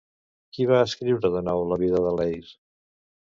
Qui va escriure de nou la vida de Leir?